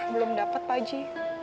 belum dapet pak ji